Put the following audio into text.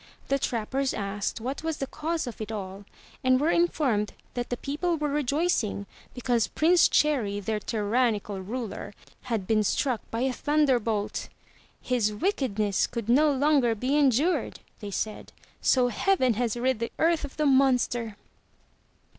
The trappers asked what was the cause of it all and were informed that the people were rejoicing because Prince Cherry, their tyrannical ruler, had been struck by a thunderbolt. "His wickedness could no longer be endured, they said, "so heaven has rid the earth of the monster.'